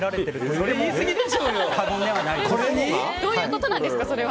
どういうことですか？